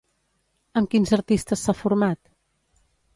Amb quins artistes s'ha format?